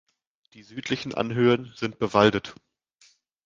Die südlichen Anhöhen sind bewaldet.